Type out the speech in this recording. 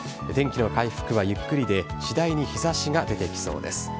天気の回復はゆっくりで、次第に日ざしが出てきそうです。